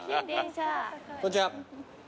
こんにちは。